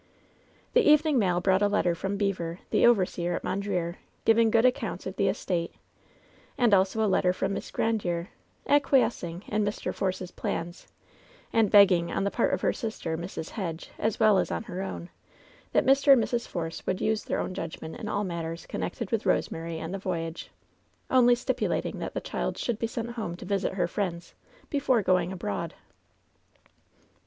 The evening mail brought a letter from Beever, the overseer at Mondreer, giving good accounts of the es tate ; and also a letter from Miss Grandiere, acquiescing in Mr. Force's plans, and begging on the part of her sister, Mrs. Hedge, as well as on her own, that Mr. and Mrs. Force would use their own judgment in all matters connected with Kosemary and the voyage; only stipu lating that the child should be sent home to visit her friends before going abroad.